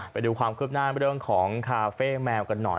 ไปดูความคืบหน้าเรื่องของคาเฟ่แมวกันหน่อย